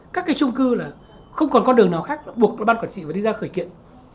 các cái trung cư là không còn con đường nào khác là buộc ban quản trị và đi ra khởi kiện